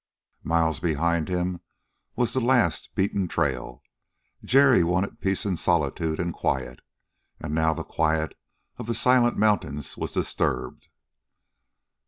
Miles behind him was the last beaten trail: Jerry wanted peace and solitude and quiet. And now the quiet of the silent mountains was disturbed.